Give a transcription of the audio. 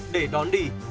để đón đi